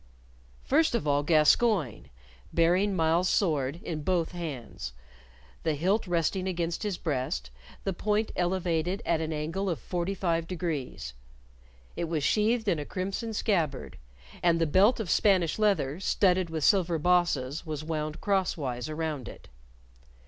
First of all, Gascoyne, bearing Myles's sword in both hands, the hilt resting against his breast, the point elevated at an angle of forty five degrees. It was sheathed in a crimson scabbard, and the belt of Spanish leather studded with silver bosses was wound crosswise around it.